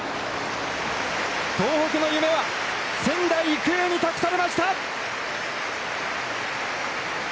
東北の夢は、仙台育英に託されました！